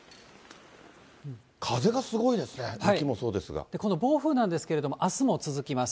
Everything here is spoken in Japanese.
風がすごいですね、この暴風なんですけれども、あすも続きます。